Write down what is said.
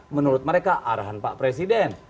menurut mereka arahan pak presiden